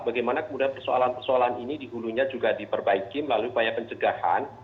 bagaimana kemudian persoalan persoalan ini di hulunya juga diperbaiki melalui upaya pencegahan